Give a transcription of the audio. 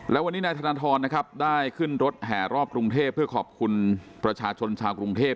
และวันนี้นายธนทรนะครับได้ขึ้นรถแห่รอบกรุงเทพเพื่อขอบคุณประชาชนชาวกรุงเทพ